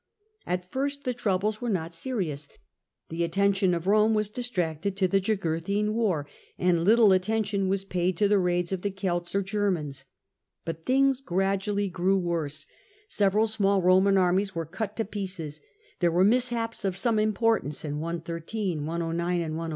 At first the troubles were not serious ; the atten tion of Rome was distracted to the Jugurthine war, and little attention was paid to the raids of the Celts or Germans. But things gradually grew worse: several 96 FROM THE GRACCHI TO SULLA small Roman armies were cut to pieces: there were mishaps of some importance in 113, 109, and 107.